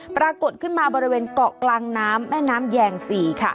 ปรากฏขึ้นมาบริเวณเกาะกลางน้ำแม่น้ำแยง๔ค่ะ